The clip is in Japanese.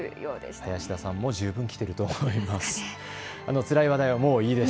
林田さんも十分きていると思います。